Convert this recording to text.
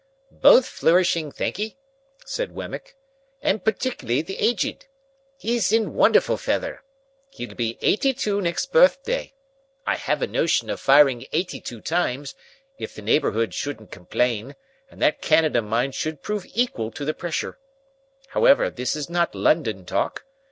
"Both flourishing thankye," said Wemmick, "and particularly the Aged. He's in wonderful feather. He'll be eighty two next birthday. I have a notion of firing eighty two times, if the neighbourhood shouldn't complain, and that cannon of mine should prove equal to the pressure. However, this is not London talk.